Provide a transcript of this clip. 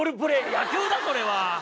野球だそれは！